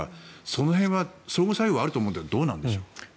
その辺は相互作用はあると思うんですがどうなんでしょう。